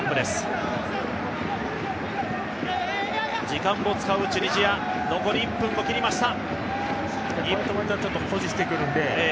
時間も使うチュニジア、残り１分を切りました。